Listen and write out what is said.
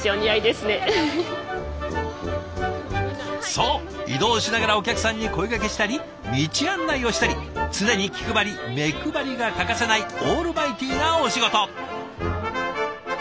そう移動しながらお客さんに声がけしたり道案内をしたり常に気配り目配りが欠かせないオールマイティーなお仕事。